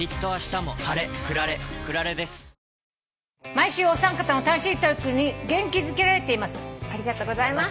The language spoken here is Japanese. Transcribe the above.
「毎週お三方の楽しいトークに元気づけられています」